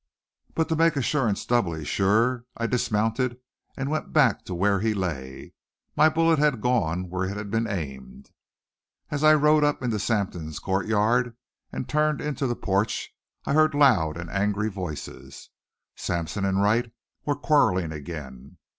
But to make assurance doubly sure, I dismounted, and went back to where he lay. My bullet had gone where it had been aimed. As I rode up into Sampson's court yard and turned in to the porch I heard loud and angry voices. Sampson and Wright were quarrelling again.